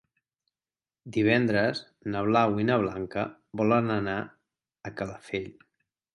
Divendres na Blau i na Blanca volen anar a Calafell.